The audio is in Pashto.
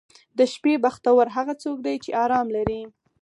• د شپې بختور هغه څوک دی چې آرام لري.